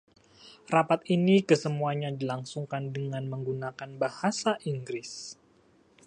Rapat ini kesemuanya dilangsungkan dengan menggunakan bahasa Inggris.